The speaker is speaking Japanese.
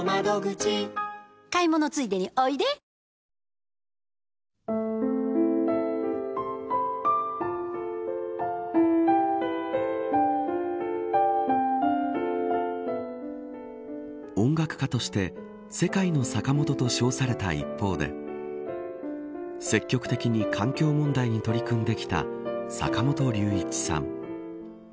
すみません損保ジャパン音楽家として世界のサカモトと称された一方で積極的に環境問題に取り組んできた坂本龍一さん。